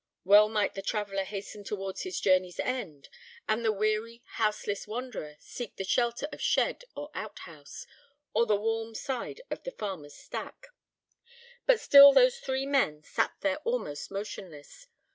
Well might the traveller hasten towards his journey's end, and the weary, houseless wanderer seek the shelter of shed or out house, or the warm side, of the farmer's stack. But still those three men sat there almost motionless.